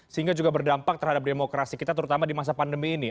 sehingga juga berdampak terhadap demokrasi kita terutama di masa pandemi ini